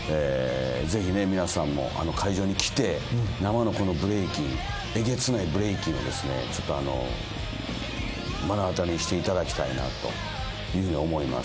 ぜひ皆さんも会場に来て生のこのブレイキンえげつないブレイキンを目の当たりにしていただきたいなというふうに思います。